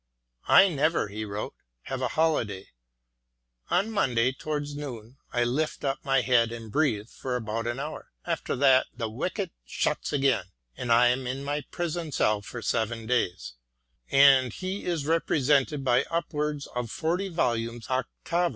" I never," he wrote, " have a holiday. On Monday towards noon I lift up my head and breathe for about an hour : after that the wicket shuts again and I am in my prison cell for seven days," and he is represented by upwards of forty volumes octavo.